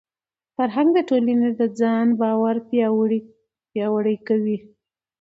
فرهنګ د ټولني د ځان باور پیاوړی کوي.